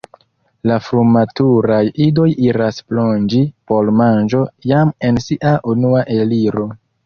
La frumaturaj idoj iras plonĝi por manĝo jam en sia unua eliro.